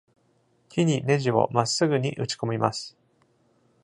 木にネジをまっすぐに打ち込みます。